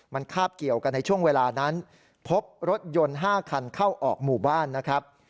มันคาบเกี่ยวกันในช่วงเวลานั้นพบรถยนต์๕คันเข้าออกหมู่บ้านนะครับ